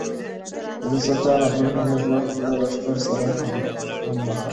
د سلطان عبدالحمید دوهم له لښکر سره هم مخامخ شو.